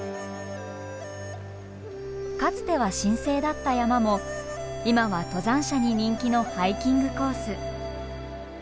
かつては神聖だった山も今は登山者に人気のハイキングコース。